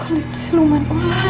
kulit senuman ular